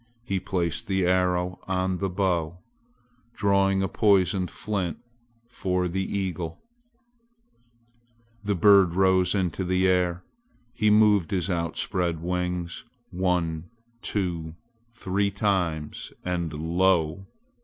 He placed the arrow on the bow, drawing a poisoned flint for the eagle. The bird rose into the air. He moved his outspread wings one, two, three times and lo!